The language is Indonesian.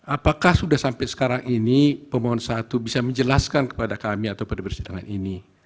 apakah sudah sampai sekarang ini pemohon satu bisa menjelaskan kepada kami atau pada persidangan ini